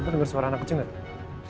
kau denger suara anak kecil nggak